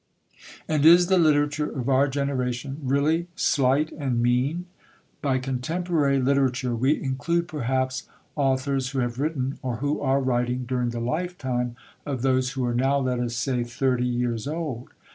And is the literature of our generation really slight and mean? By "Contemporary Literature" we include perhaps authors who have written or who are writing during the lifetime of those who are now, let us say, thirty years old.